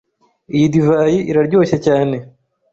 Iyi divayi iraryoshye cyane.